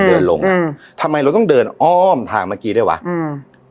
เดินลงอ่ะอืมทำไมเราต้องเดินอ้อมทางเมื่อกี้ด้วยวะอืม